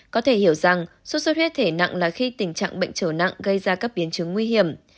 có thể hiểu rằng sốt xuất huyết thể nặng là khi tình trạng bệnh trở nặng gây ra các biến chứng nguy hiểm